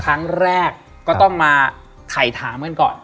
ครั้งแรกก็ต้องมาถ่ายถามกันก่อน